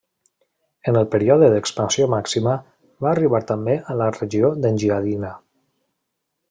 En el període d'expansió màxima va arribar també a la regió d'Engiadina.